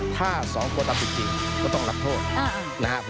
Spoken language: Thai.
ถ้าสองคนทำผิดจริงก็ต้องรับโทษนะครับ